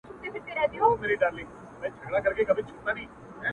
را روان په شپه كــــي ســـېــــــل دى!!